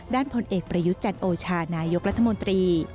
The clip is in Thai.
ด้านพลเอกประยุจันโอชานายกรัฐมนตรี